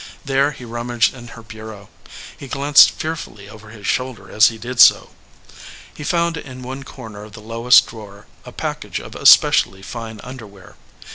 There he rummaged in her bureau. He glanced fearfully over his shoulder as he did so. He found in one corner of the lowest drawer a package of especially fine underwear.